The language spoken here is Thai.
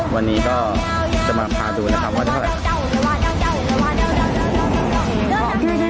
วันนี้ก็จะมาพาดูนะครับว่าเท่าไหร่